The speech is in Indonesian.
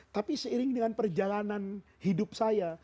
tapi seiring dengan perjalanan hidup saya